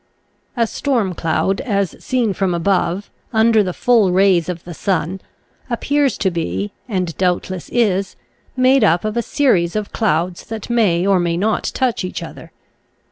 A storm cloud as seen from above, under the full rays of the sun, appears to be, and doubtless is, made up of a series of clouds that may or may not touch each other.